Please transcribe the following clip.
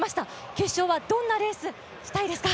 決勝はどんなレースしたいですか？